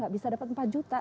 bisa dapat empat juta